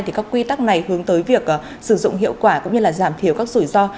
thì các quy tắc này hướng tới việc sử dụng hiệu quả cũng như là giảm thiểu các rủi ro